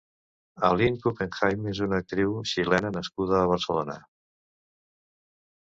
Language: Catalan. Aline Küppenheim és una actriu xilena nascuda a Barcelona.